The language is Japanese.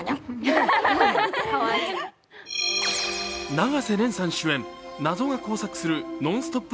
永瀬廉さん主演、謎が交錯するノンストップ